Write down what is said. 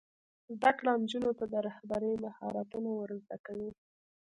زده کړه نجونو ته د رهبرۍ مهارتونه ور زده کوي.